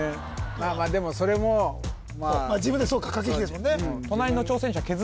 まあまあでもそれも自分でそうか駆け引きですもんね